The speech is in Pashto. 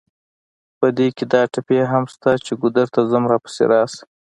په دې کې دا ټپې هم شته چې: ګودر ته ځم راپسې راشه.